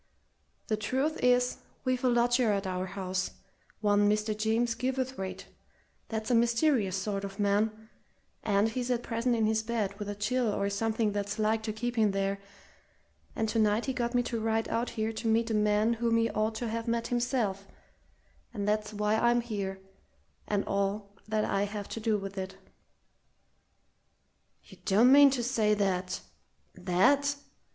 The truth is, we've a lodger at our house, one Mr. James Gilverthwaite, that's a mysterious sort of man, and he's at present in his bed with a chill or something that's like to keep him there; and tonight he got me to ride out here to meet a man whom he ought to have met himself and that's why I'm here and all that I have to do with it." "You don't mean to say that that!"